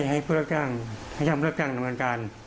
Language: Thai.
ให้ผู้รับจ้างให้ช่างผู้รับจ้างทำการการ